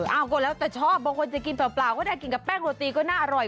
เอาก็แล้วแต่ชอบบางคนจะกินเปล่าก็ได้กินกับแป้งโรตีก็น่าอร่อย